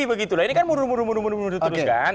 begitu lah ini kan muru muru muru muru muru muru terus kan